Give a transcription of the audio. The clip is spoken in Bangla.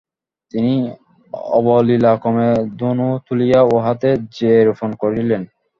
তিনি অবলীলাক্রমে ধনু তুলিয়া উহাতে জ্যা রোপণ করিলেন।